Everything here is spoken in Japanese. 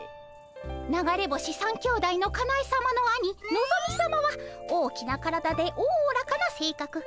流れ星３兄弟のかなえさまの兄のぞみさまは大きな体でおおらかなせいかく。